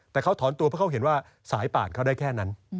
แต่เขาถอนตัวเพราะเขาเห็นว่าสายป่านเขาได้แค่นั้น